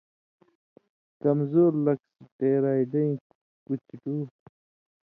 کمزُور لک سٹیرائیڈَیں کُتھیۡ ٹُو